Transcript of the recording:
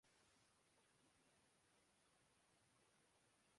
جس کی تحت یہ زمینی پرت دو الگ الگ پرتوں میں تقسیم ہوگی۔